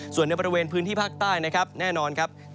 ส่วนในบริเวณพื้นที่ภาคใต้นะครับแน่นอนครับ